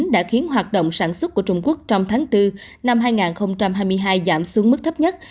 đã khiến hoạt động sản xuất của trung quốc trong tháng bốn năm hai nghìn hai mươi hai giảm xuống mức thấp nhất